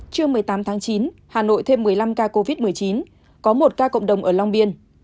trưa một mươi tám tháng chín hà nội thêm một mươi năm ca covid một mươi chín có một ca cộng đồng ở long biên